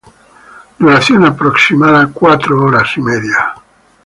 Duración aproximada: cuatro horas y media.